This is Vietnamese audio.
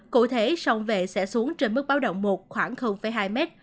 cụ thể sông vệ sẽ xuống trên mức báo động một khoảng hai m